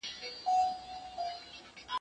ده چي ول بالا به کار تمام سي باره نیمګړی پاته سو